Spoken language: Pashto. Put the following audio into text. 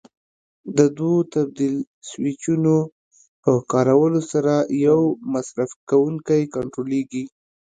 د دوو تبدیل سویچونو په کارولو سره یو مصرف کوونکی کنټرولېږي.